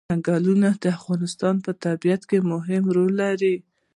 ځنګلونه د افغانستان په طبیعت کې مهم رول لري.